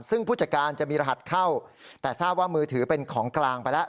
ซึ่งผู้จัดการจะมีรหัสเข้าแต่ทราบว่ามือถือเป็นของกลางไปแล้ว